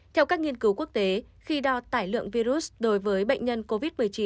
theo các nghiên cứu quốc tế khi đo tải lượng virus đối với bệnh nhân covid một mươi chín